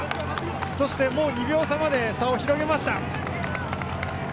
そして、もう２秒差まで広げました。